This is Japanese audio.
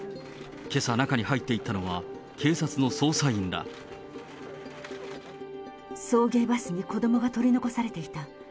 けさ、中に入っていったのは、送迎バスに子どもが取り残されていた。